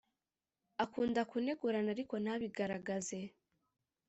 Akunda kunegurana ariko ntabigaragaze